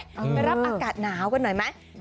ไปรับอากาศหนาวกันหน่อยไหม